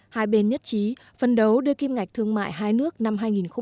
hai bên nhất trí phân đấu đưa kim ngạch thương mại hai nước năm hai nghìn một mươi bảy